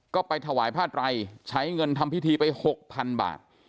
ก็ไปถวายผ้าไตรใช้เงินทำพิธีไป๖๐๐๐บาท